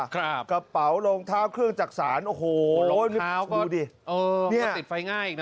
กระเป๋าลงเท้าเครื่องจักษรโอ้โหลงเท้าก็ติดไฟง่ายอีกนะ